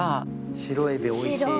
白エビおいしいね。